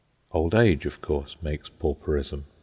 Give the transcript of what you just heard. Old age, of course, makes pauperism.